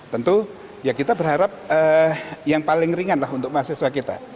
tentu ya kita berharap yang paling ringan lah untuk mahasiswa kita